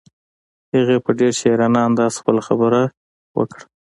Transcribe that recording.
هغې په ډېر شاعرانه انداز خپله خبره وکړه.